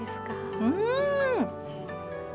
うん！